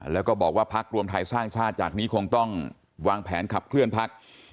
แล้วก็บอกว่าพักรวมไทยสร้างชาติจากนี้คงต้องวางแผนขับเคลื่อนพัก